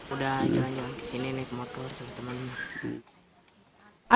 udah jalan jalan kesini naik motor sama teman teman